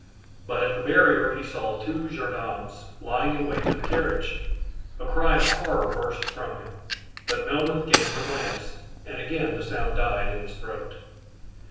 But at the barrier he saw two gendarmes lying in wait for the carriage. A cry of horror burst from him, but Melmoth gave him a glance, and again the sound died in his throat.